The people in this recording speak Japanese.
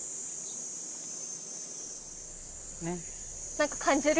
何か感じる？